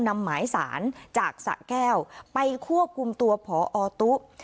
นำหมายสารจากสะแก้วไปควบคุมตัวพอตุ